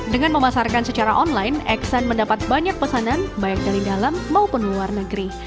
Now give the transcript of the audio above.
dengan memasarkan secara online eksan mendapat banyak pesanan baik dari dalam maupun luar negeri